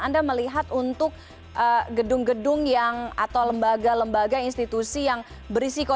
anda melihat untuk gedung gedung yang atau lembaga lembaga institusi yang berisiko